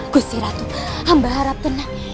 kusiratu ambah harap tenang